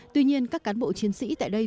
tuy nhiên các cán bộ chiến sĩ tại đây